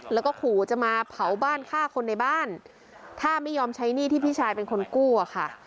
แล้วก็ขู่จะมาเผาบ้านฆ่าคนในบ้านถ้าไม่ยอมใช้หนี้ที่พี่ชายเป็นคนกู้อะค่ะ